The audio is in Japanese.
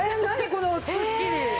このスッキリ。